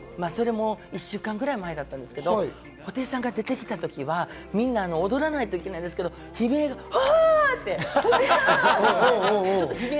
１週間ぐらい前だったんですけれど、布袋さんが出てきたときは、みんな踊らないといけないんだけど悲鳴で、わ！